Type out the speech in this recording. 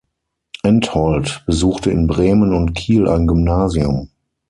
Entholt besuchte in Bremen und Kiel ein Gymnasium.